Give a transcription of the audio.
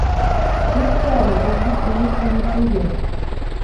Туҡта әле, ул бит бейеү көйө түгел.